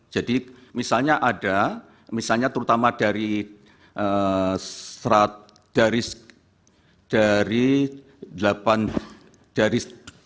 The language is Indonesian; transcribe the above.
jadi misalnya ada misalnya terutama dari